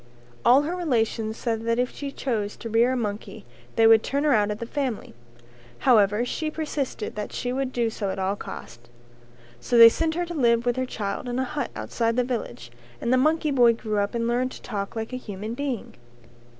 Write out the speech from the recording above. All her relations said that if she chose to rear a monkey they would turn her out of the family. However she persisted that she would do so at all costs. So they sent her to live with her child in a hut outside the village, and the monkey boy grew up and learned to talk like a human being.